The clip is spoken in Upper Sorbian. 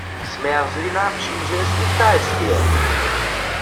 Zmjerzlina přińdźe z Italskeje!